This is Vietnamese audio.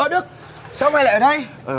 ơ đức sao mày lại ở đây